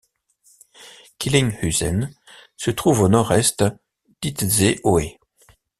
Kellinghusen se trouve au nord-est d'Itzehoe.